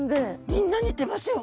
みんな似てますよ。